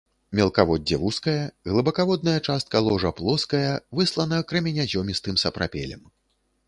Мелкаводдзе вузкае, глыбакаводная частка ложа плоская, выслана крэменязёмістым сапрапелем.